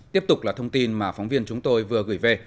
tiếp tục là thông tin mà phóng viên chúng tôi vừa gửi về